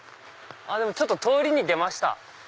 ちょっと通りに出ました。